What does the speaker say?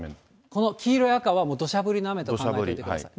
この黄色や赤はもう土砂降りの雨と考えてください。